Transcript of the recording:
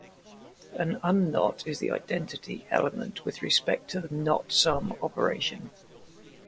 An unknot is the identity element with respect to the knot sum operation.